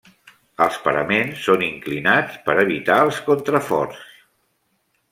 Els paraments són inclinats per evitar els contraforts.